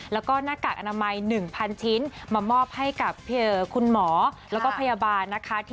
แล้วก็หน้ากากอนามัย๑๐๐๐ชิ้นมามอบให้กับคุณหมอแล้วก็พยาบาลนะคะ